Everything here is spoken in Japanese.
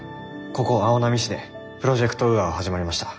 ここ青波市でプロジェクト・ウーアは始まりました。